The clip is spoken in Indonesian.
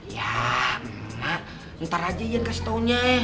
ya emak ntar aja iya kasih taunya